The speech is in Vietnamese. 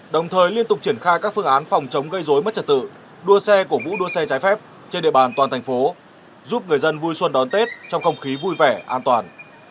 đồng thời liên tục triển khai các phương án phòng chống gây dối mất trật tự đua xe cổ vũ đua xe trái phép trên địa bàn toàn thành phố giúp người dân vui xuân đón tết trong không khí vui vẻ an toàn